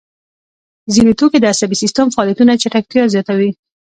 ځیني توکي د عصبي سیستم فعالیتونه چټکتیا زیاتوي.